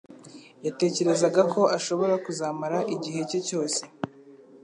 yatekerezaga ko ashobora kuzamara igihe cye cyose